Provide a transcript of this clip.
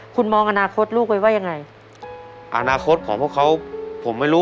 คุณมองอนาคตลูกไว้ว่ายังไง